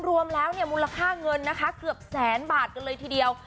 รวมแล้วเนี่ยมูลค่าเงินนะคะเกือบแสนบาทกันเลยทีเดียว